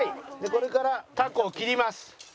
これからタコを切ります。